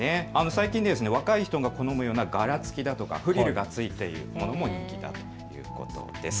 最近、若い人が好むような柄つきやフリルがついてるものもあるということです。